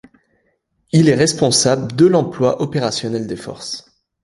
Il est responsable de l'emploi opérationnel des forces.